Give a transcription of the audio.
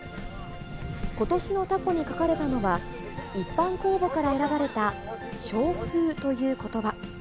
ことしのたこに書かれたのは、一般公募から選ばれた勝風ということば。